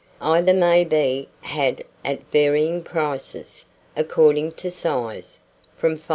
Either maybe had at varying prices, according to size, from £5.